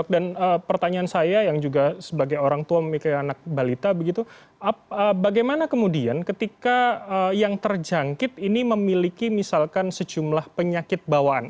dan pertanyaan saya yang juga sebagai orang tua mungkin anak balita bagaimana kemudian ketika yang terjangkit ini memiliki misalkan sejumlah penyakit bawaan